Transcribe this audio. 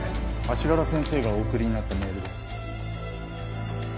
足柄先生がお送りになったメールです。